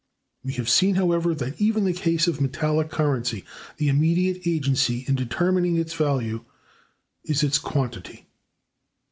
We have seen, however, that even in the case of metallic currency, the immediate agency in determining its value is its quantity.